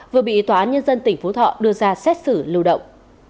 vừa bị tòa án nhân dân tỉnh phú thọ đưa ra xét xử lưu động